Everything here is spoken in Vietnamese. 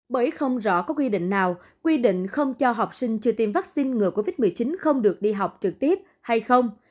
bởi không rõ có quy định nào quy định không cho học sinh chưa tiêm vaccine ngừa covid một mươi chín không được đi học trực tiếp hay không